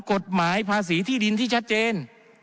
กฎหมายภาษีที่ดินที่ชัดเจน